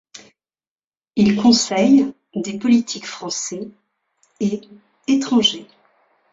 Il conseille des politiques français et étrangers.